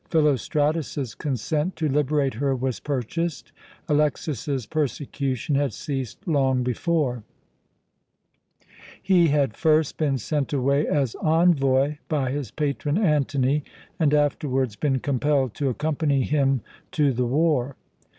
Philostratus's consent to liberate her was purchased. Alexas's persecution had ceased long before; he had first been sent away as envoy by his patron Antony, and afterwards been compelled to accompany him to the war.